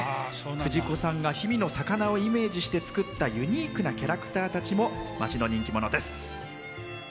藤子さんが氷見の魚をイメージして作ったユニークなキャラクターたちも町の人気者です。